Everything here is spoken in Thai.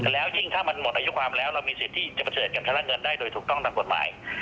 แล้วยิ่งถ้ามันหมดอายุความแล้วเรามีสิทธิ์ที่จะประเสริฐกับพนักงานเงินได้โดยถูกต้องตามกฎหมาย